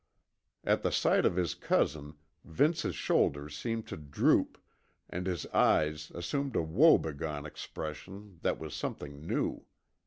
At the sight of his cousin, Vince's shoulders seemed to droop, and his eyes assumed a woebegone expression that was something new.